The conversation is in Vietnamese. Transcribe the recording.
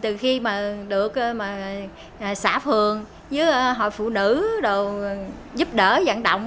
từ khi mà được xã phường với hội phụ nữ giúp đỡ dẫn động